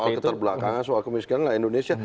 soal keterbelakangan soal kemiskinan lah indonesia